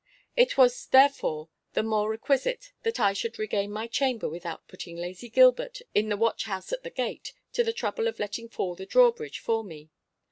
It was, therefore, the more requisite that I should regain my chamber without putting lazy Gilbert in the watch house at the gate to the trouble of letting fall the drawbridge for me.